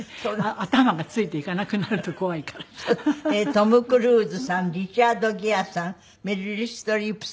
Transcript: トム・クルーズさんリチャード・ギアさんメリル・ストリープさん。